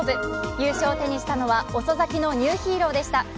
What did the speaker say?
優勝を手にしたのは遅咲きのニューヒーローでした。